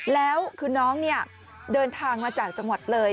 แล้วคือน้องเนี่ยเดินทางมาจากจังหวัดเลย